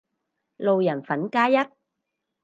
路人粉加一